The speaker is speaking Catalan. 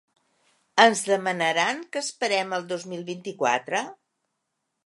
Ens demanaran que esperem el dos mil vint-i-quatre?